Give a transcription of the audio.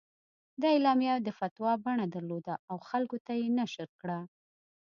دا اعلامیه د فتوا بڼه درلوده او خلکو ته یې نشر کړه.